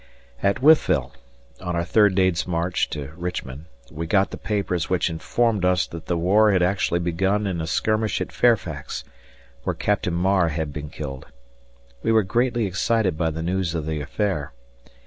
At Wytheville, on our third days march to Richmond, we got the papers which informed us that the war had actually begun in a skirmish at Fairfax, where Captain Marr had been killed. We were greatly excited by the news of the affair.